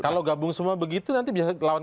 kalau gabung semua begitu nanti bisa lawan